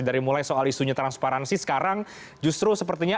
dari mulai soal isunya transparansi sekarang justru sepertinya